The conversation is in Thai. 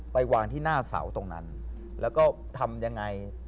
วางที่หน้าเสาตรงนั้นแล้วก็ทำยังไง